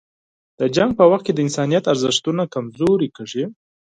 د جنګ په وخت کې د انسانیت ارزښتونه کمزوري کېږي.